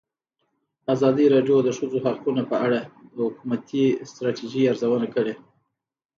ازادي راډیو د د ښځو حقونه په اړه د حکومتي ستراتیژۍ ارزونه کړې.